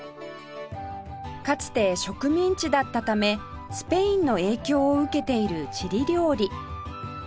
かつて植民地だったためスペインの影響を受けているチリ料理